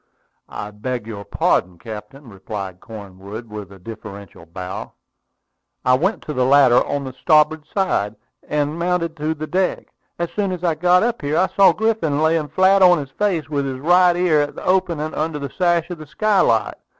"I beg your pardon, captain," replied Cornwood with a deferential bow. "I went to the ladder on the starboard side, and mounted to this deck. As soon as I got up here, I saw Griffin lying flat on his face, with his right ear at the opening under the sash of the skylight.